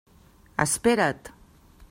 Espera't.